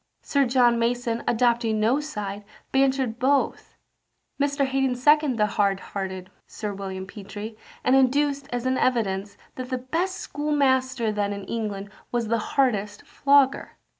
Sir John Mason, adopting no side, bantered both. Mr. Haddon seconded the hard hearted Sir William Petre, and adduced, as an evidence, that the best schoolmaster then in England was the hardest flogger.